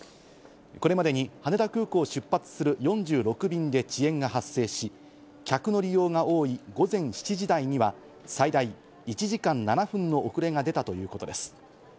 これまでに羽田空港出発する４６便で遅延が発生し、客の利用が多い午前７時台には最大１時間７分の遅れが出たということです。